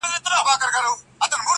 په كوڅو كي يې زموږ پلونه بېګانه دي.!